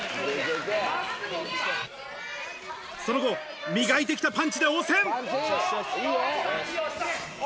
その後、磨いてきたパンチで応戦。